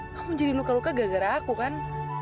kamu jadi luka luka gara gara aku kan